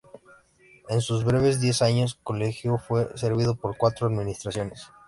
En sus breves diez años Colegio fue servido por cuatro administraciones.